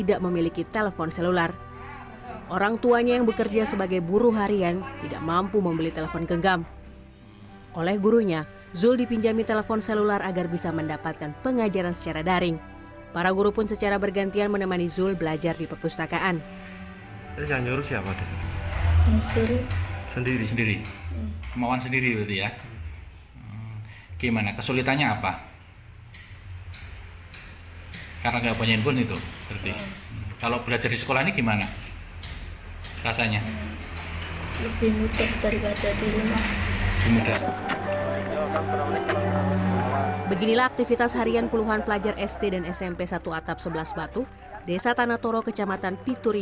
desa tanatoro kecamatan pituryase kabupaten sidrap sulawesi selatan